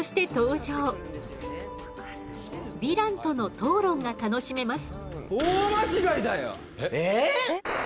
ヴィランとの討論が楽しめます。